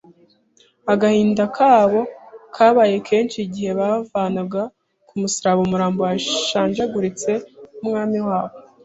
Agahinda kabo kabaye kenshi igihe bavanaga ku musaraba umurambo washenjaguritse w'Umwami wabo